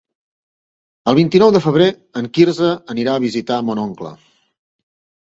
El vint-i-nou de febrer en Quirze anirà a visitar mon oncle.